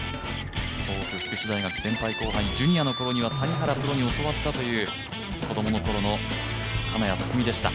東北福祉大学先輩・後輩ジュニアの頃には教わったという子供のころの金谷拓実でした。